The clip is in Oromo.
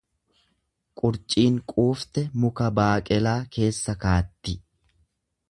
Qurciin quufte muka beeqelaa keessa kaatti.